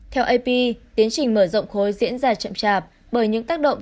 theo ap tiến trình mở rộng khối diễn ra chậm chạp bởi những tác động